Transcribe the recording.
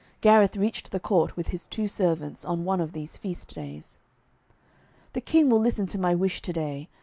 Gareth reached the court, with his two servants, on one of these feast days. 'The King will listen to my wish to day.